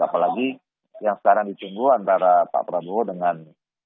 apalagi yang sekarang ditunggu antara pak prabowo dengan